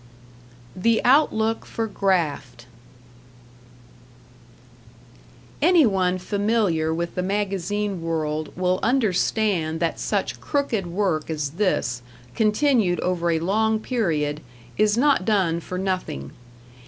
#The Outlook for Graft# Anyone familiar with the magazine world will understand that such crooked work as this, continued over a long period, is not done for nothing.